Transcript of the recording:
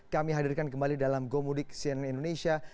kami hadirkan kembali dalam gomudik cnn indonesia tujuh belas